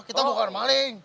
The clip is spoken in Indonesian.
kita bukan maling